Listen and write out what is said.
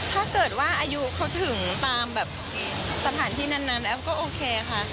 ถ้าเกิดว่าอายุเขาถึงตามแบบสถานที่นั้นแอฟก็โอเคค่ะ